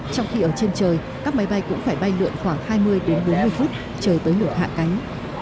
trong khi ở trên trời các máy bay cũng phải bay lượn khoảng hai mươi đến bốn mươi phút chờ tới lượt hạ cánh